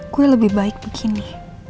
gue lebih baik begini